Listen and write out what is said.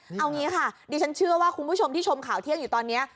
เอางี้ค่ะดิฉันเชื่อว่าคุณผู้ชมที่ชมข่าวเที่ยงอยู่ตอนนี้